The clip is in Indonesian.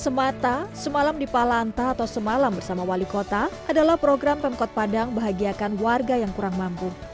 semata semalam di palanta atau semalam bersama wali kota adalah program pemkot padang bahagiakan warga yang kurang mampu